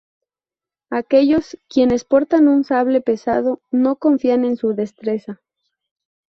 Aquellos, quienes portan un sable pesado, no confían en su destreza.